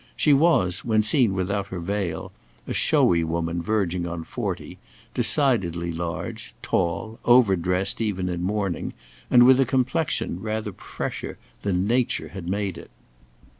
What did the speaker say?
She was, when seen without her veil, a showy woman verging on forty, decidedly large, tall, over dressed even in mourning, and with a complexion rather fresher than nature had made it.